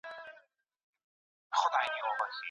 عدالت د الهي خليفه اصلي ځانګړتيا ده.